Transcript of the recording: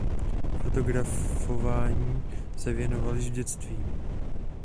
Fotografování se věnoval již v dětství.